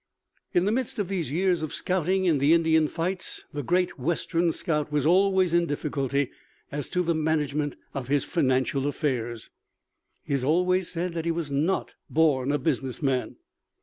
In the midst of these years of scouting in the Indian fights the great Western scout was always in difficulty as to the management of his financial affairs. He always has said that he was not born a business man.